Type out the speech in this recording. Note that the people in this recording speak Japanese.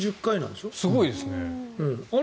すごいですね。